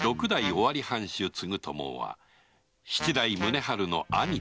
尾張藩主・継友は七代・宗春の兄である